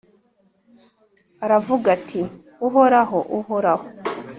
aravuga ati «uhoraho, uhoraho,